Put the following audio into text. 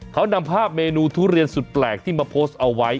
เขานำภาพเมนูทุเรียนสุดแปลกที่มาโพสต์เอาไว้